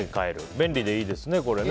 便利でいいですね。